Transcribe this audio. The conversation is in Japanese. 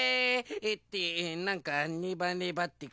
ってなんかネバネバってこれあ！